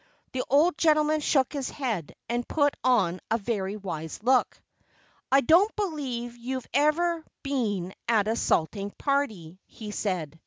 The old gentleman shook his head and put on a very wise look. "I don't believe you've ever been at a salting party," he said.